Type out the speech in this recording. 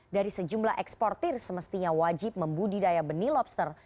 dari sejumlah eksportir semestinya wajib membudidaya benih lobster